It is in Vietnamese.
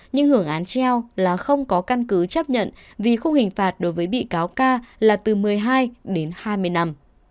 nhưng hưởng án treo là không có căn cứ chấp nhận vì khung hình phạt đối với bị cáo ca là từ một mươi hai đến hai mươi năm